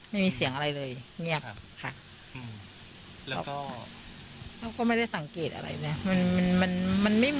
ไม่มีเสียงอะไรเลยเงียบค่ะแล้วก็เขาก็ไม่ได้สังเกตอะไรนะ